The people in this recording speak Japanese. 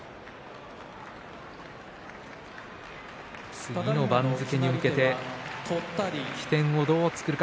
次の番付に向けて起点をどう作るか。